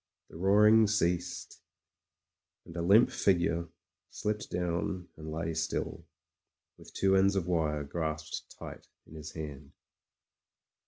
The roaring ceased, and a limp figure slipped down and lay still, with two ends of wire grasped tight in his hand.